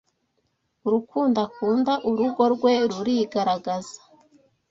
Urukundo akunda urugo rwe rurigaragaza